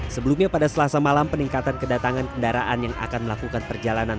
sebelumnya pada selasa malam peningkatan kedatangan kendaraan yang akan melakukan perjalanan